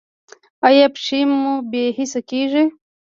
ایا پښې مو بې حسه کیږي؟